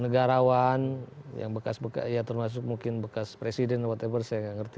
negarawan yang bekas bekas ya termasuk mungkin bekas presiden watable saya nggak ngerti